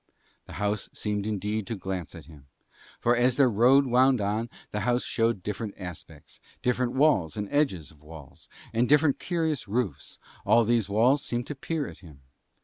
The house seemed indeed to glance at him, for as their road wound on, the house showed different aspects, different walls and edges of walls, and different curious roofs; all these walls seemed to peer at him.